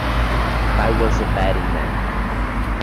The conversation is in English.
If I was a betting man.